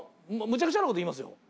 むちゃくちゃなこと言いますよ。